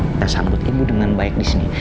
kita sambut ibu dengan baik disini